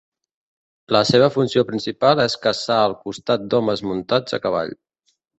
La seva funció principal és caçar al costat d'homes muntats a cavall.